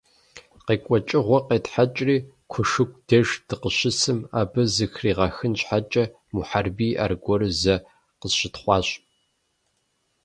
КъекӀуэкӀыгъуэр къетхьэкӀри, Кушыку деж дыкъыщысым, абы зэхригъэхын щхьэкӀэ, Мухьэрбий аргуэру зэ къысщытхъуащ.